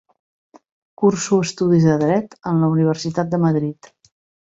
Curso estudis de Dret en la Universitat de Madrid.